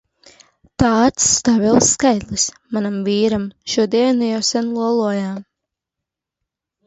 Tāds stabils skaitlis! Manam vīram! Šo dienu jau sen lolojām.